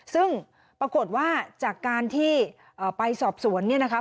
ซึ่งปรากฏว่าจากการที่ไปสอบสวนเนี่ยนะคะ